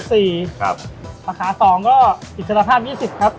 สาขา๒ก็อินสัตว์ภาพ๒๐ครับ